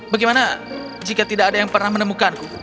bagaimana jika tidak ada yang pernah menemukanku